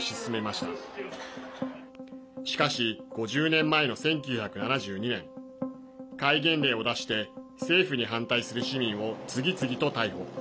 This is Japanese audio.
しかし、５０年前の１９７２年戒厳令を出して政府に反対する市民を次々と逮捕。